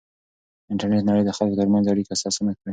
انټرنېټ د نړۍ د خلکو ترمنځ اړیکه اسانه کړې.